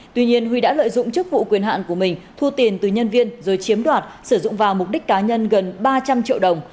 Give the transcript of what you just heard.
tuy nhiên huy đã lợi dụng chức vụ quyền hạn của mình thu tiền từ nhân viên rồi chiếm đoạt sử dụng vào mục đích cá nhân gần ba trăm linh triệu đồng